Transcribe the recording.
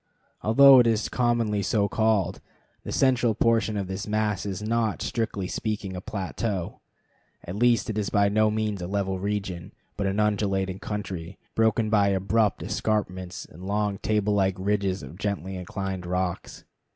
Although it is commonly so called, the central portion of this mass is not, strictly speaking, a plateau; at least it is by no means a level region, but an undulating country, broken by abrupt escarpments and long table like ridges of gently inclined rocks.